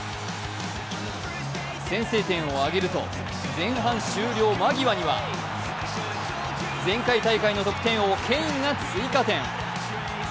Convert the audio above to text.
先制点を挙げると、前半終了間際には前回大会の得点王・ケインが追加点。